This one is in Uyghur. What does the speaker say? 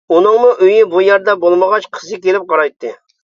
ئۇنىڭمۇ ئۆيى بۇ يەردە بولمىغاچ قىزى كېلىپ قارايتتى.